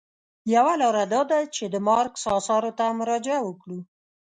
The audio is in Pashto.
یوه لاره دا ده چې د مارکس اثارو ته مراجعه وکړو.